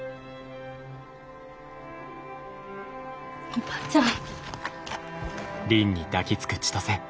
おばちゃん！